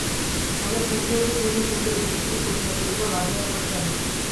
আমরা সৌন্দর্যের জন্যই সৌন্দর্যের উপাসনা করিব, লাভের আকাঙ্ক্ষায় নয়।